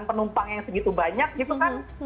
penumpang yang segitu banyak gitu kan